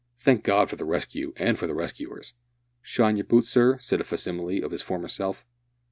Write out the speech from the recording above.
Thank God for the rescue and for the rescuers!" "Shine yer boots, sir?" said a facsimile of his former self.